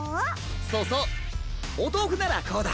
そうそう！おとうふならこうだ。